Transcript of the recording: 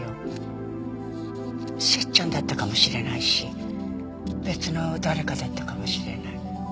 セッちゃんだったかもしれないし別の誰かだったかもしれない。